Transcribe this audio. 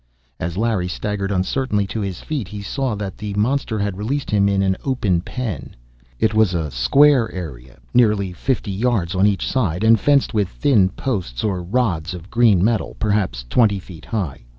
As Larry staggered uncertainly to his feet, he saw that the monster had released him in an open pen. It was a square area, nearly fifty yards on each side, and fenced with thin posts or rods of green metal, perhaps twenty feet high.